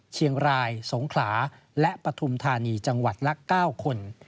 เชียงรายสงขลาและปฐุมธานีจังหวัดละ๙คน